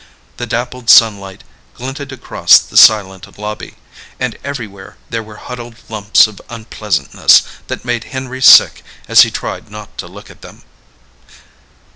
The dappled sunlight glinted across the silent lobby, and everywhere there were huddled lumps of unpleasantness that made Henry sick as he tried not to look at them.